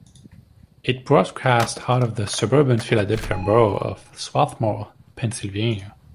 It broadcasts out of the suburban Philadelphia borough of Swarthmore, Pennsylvania.